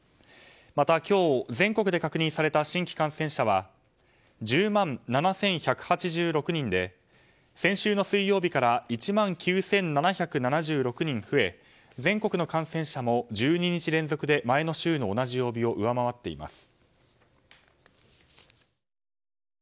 また今日、全国で確認された新規感染者は１０万７１８６人で先週の水曜日から１万９７７６人増え全国の感染者も１２日連続で前の週の同じ曜日を上回っています。